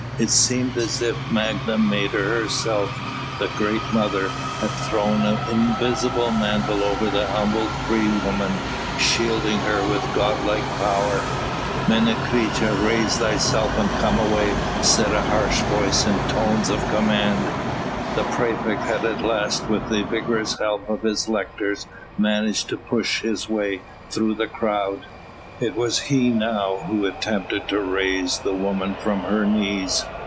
It seemed as if Magna Mater herself, the great Mother, had thrown an invisible mantle over the humble freedwoman, shielding her with god like power. "Menecreta, raise thyself and come away," said a harsh voice in tones of command. The praefect had at last with the vigorous help of his lictors managed to push his way through the crowd. It was he now who attempted to raise the woman from her knees.